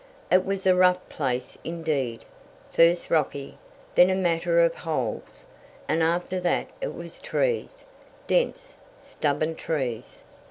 It was a rough place indeed; first rocky, then a matter of holes, and after that it was trees dense, stubborn trees.